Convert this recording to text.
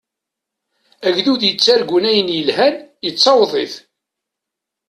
Agdud yettargun ayen yelhan, yettaweḍ-it.